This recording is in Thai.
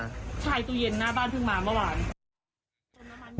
ชายตู้เย็นหน้าบ้านเพิ่งมาเมื่อวาน